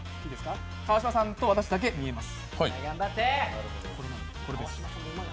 川島さんと私だけ、見えます。